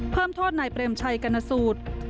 เพิ่มโทษนายเปรมชัยกรณสูตร